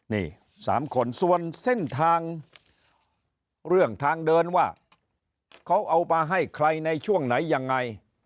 นี่๓คนส่วนเส้นทางเรื่องทางเดินว่าเขาเอามาให้ใครในช่วงไหนยังไง